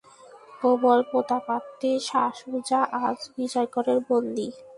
প্রবলপ্রতাপান্বিত শাসুজা আজ বিজয়গড়ের বন্দী।